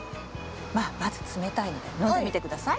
まあまず冷たいので飲んでみて下さい。